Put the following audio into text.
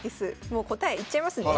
もう答え言っちゃいますね。